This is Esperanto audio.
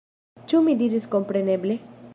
Ĉu mi diris kompreneble?